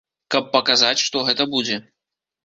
Каб паказаць, што гэта будзе.